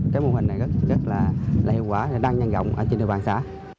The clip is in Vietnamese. cái mô hình này rất là hiệu quả rất là đăng nhân rộng trên địa bàn xã